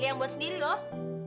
yang buat sendiri loh